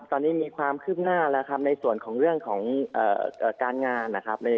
ตอนนี้มีความคืบหน้าแล้วครับในส่วนของเรื่องของการงานนะครับ